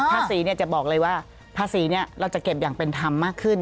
ภาษีจะบอกเลยว่าภาษีเราจะเก็บอย่างเป็นธรรมมากขึ้น